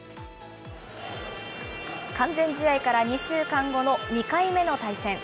完全試合から２週間後の２回目の対戦。